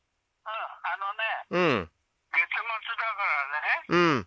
あのね。